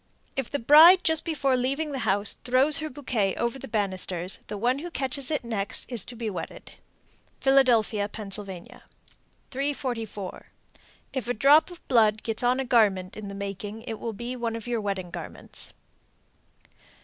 If the bride just before leaving the house throws her bouquet over the banisters, the one who catches it is next to be wedded. Philadelphia, Pa. 344. If a drop of blood gets on a garment in making, it will be one of your wedding garments.